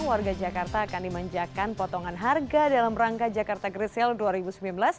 warga jakarta akan dimanjakan potongan harga dalam rangka jakarta great sale dua ribu sembilan belas